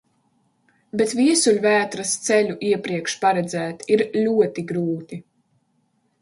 Bet viesuļvētras ceļu iepriekš paredzēt ir ļoti grūti.